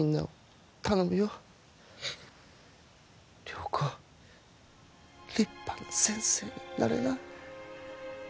良子立派な先生になれな。